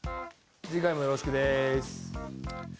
次回もよろしくです。